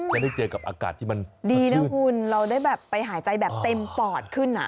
จะได้เจอกับอากาศที่มันดีนะคุณเราได้แบบไปหายใจแบบเต็มปอดขึ้นอ่ะ